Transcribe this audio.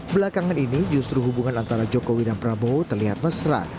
belakangan ini justru hubungan antara jokowi dan prabowo terlihat mesra